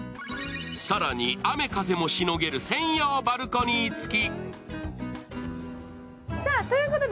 更に雨風もしのげる専用バルコニーつき。